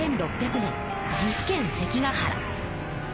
１６００年岐阜県関ヶ原。